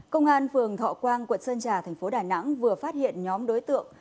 công an phường thọ quang quận sơn trà tp đà nẵng vừa phát hiện nhóm đối tượng